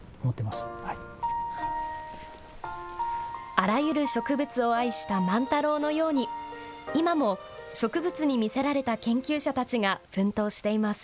あらゆる植物を愛した万太郎のように、今も植物に魅せられた研究者たちが奮闘しています。